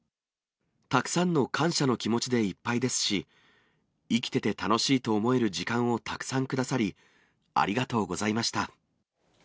たくさんの感謝の気持ちでいっぱいですし、生きてて楽しいと思える時間をたくさんくださり、ありがとうございました！